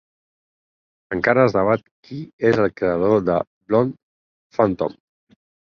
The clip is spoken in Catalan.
Encara es debat qui és el creador de "Blonde Phantom".